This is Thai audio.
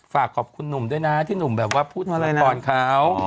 ฝากขอบคุณหนุนด้วยนะที่หนุนแบบว่าผู้สัมพนธ์ของเขา